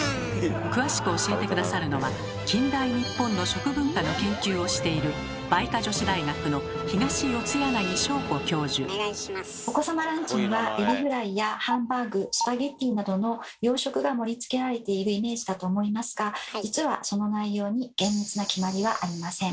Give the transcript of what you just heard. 詳しく教えて下さるのは近代日本の食文化の研究をしているお子様ランチにはエビフライやハンバーグスパゲッティなどの洋食が盛りつけられているイメージだと思いますが実はその内容に厳密な決まりはありません。